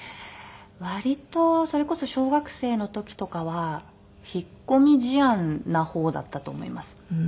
割とそれこそ小学生の時とかは引っ込み思案な方だったと思います。